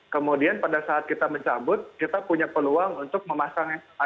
kemudian pada saat kita mencabut kita punya peluang untuk memasang